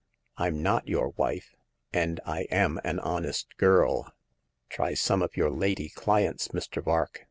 Fm not your wife, and I am an honest girl. Try some of your lady clients, Mr. Vark.